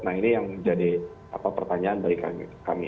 nah ini yang menjadi pertanyaan bagi kami